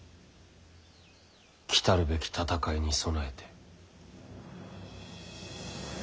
きたるべき戦いに備えて。